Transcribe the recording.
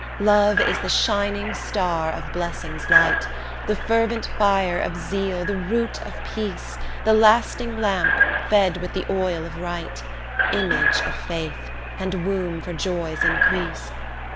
Love is the shining star of blessing's light; The fervent fire of zeal, the root of peace, That lasting lamp fed with the oil of right; Image of faith, and womb for joy's increase.